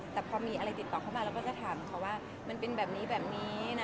แต่พอมีอะไรติดต่อเข้ามาเราก็จะถามเขาว่ามันเป็นแบบนี้แบบนี้นะ